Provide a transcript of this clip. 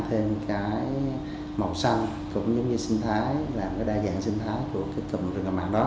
thêm cái màu xanh cũng như sinh thái làm cái đa dạng sinh thái của cái cụm rừng ngập mặn đó